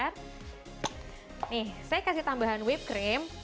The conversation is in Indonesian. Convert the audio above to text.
nih saya kasih tambahan whippe cream